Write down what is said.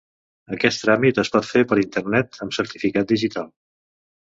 Aquest tràmit es pot fer per Internet amb certificat digital.